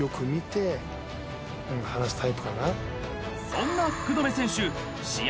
［そんな福留選手試合